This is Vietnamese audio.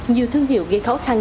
nhiều thương hiệu gây khó khăn